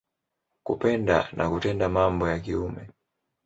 Kupenda na kutenda mambo ya kiume.